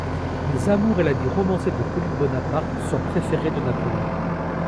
Les amours et la vie romancée de Pauline Bonaparte, sœur préférée de Napoléon.